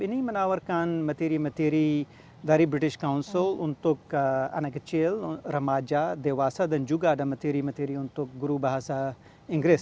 ini menawarkan materi materi dari british council untuk anak kecil remaja dewasa dan juga ada materi materi untuk guru bahasa inggris